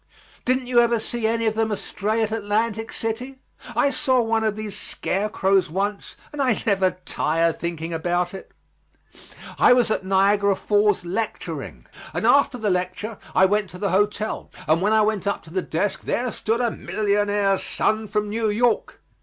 Didn't you ever see any of them astray at Atlantic City? I saw one of these scarecrows once and I never tire thinking about it. I was at Niagara Falls lecturing, and after the lecture I went to the hotel, and when I went up to the desk there stood there a millionaire's son from New York.